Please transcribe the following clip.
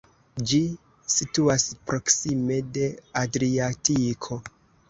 Ĝi situas proksime de Adriatiko.